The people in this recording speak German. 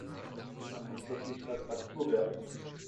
Man muß das nicht als Partitur werten.